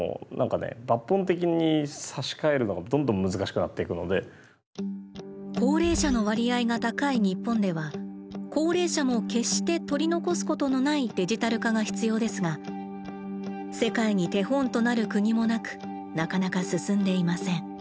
なぜかというと高齢者の割合が高い日本では高齢者も決して取り残すことのないデジタル化が必要ですが世界に手本となる国もなくなかなか進んでいません。